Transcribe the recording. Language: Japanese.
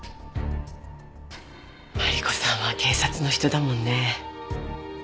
マリコさんは警察の人だもんね。